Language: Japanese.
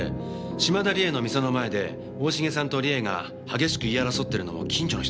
嶋田理恵の店の前で大重さんと理恵が激しく言い争ってるのを近所の人が目撃してるんですよ。